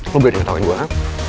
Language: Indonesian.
lo berani ngetawain gue